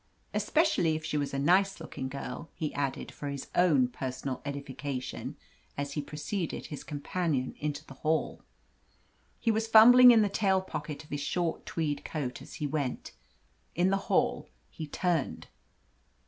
Especially if she was a nice looking girl," he added for his own personal edification as he preceded his companion into the hall. He was fumbling in the tail pocket of his short tweed coat as he went. In the hall he turned.